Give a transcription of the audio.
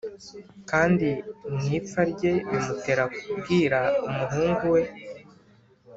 kandi mu ipfa rye bimutera kubwira umuhungu we